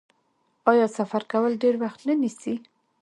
آیا سفر کول ډیر وخت نه نیسي؟